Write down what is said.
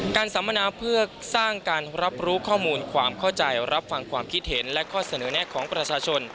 สัมมนาเพื่อสร้างการรับรู้ข้อมูลความเข้าใจรับฟังความคิดเห็นและข้อเสนอแน่ของประชาชน